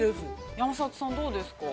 ◆山里さん、どうですか。